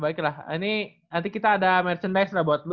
baiklah ini nanti kita ada merchandise lah buat lu